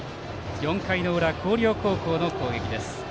４回の裏、広陵高校の攻撃です。